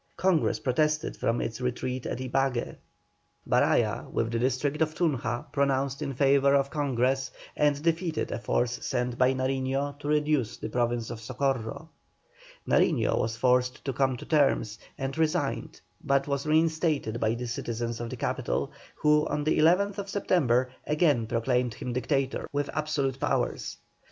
Congress protested from its retreat at Ibague. Baraya, with the district of Tunja, pronounced in favour of Congress, and defeated a force sent by Nariño to reduce the Province of Socorro. Nariño was forced to come to terms, and resigned, but was reinstated by the citizens of the capital, who, on the 11th September, again proclaimed him Dictator, with absolute powers.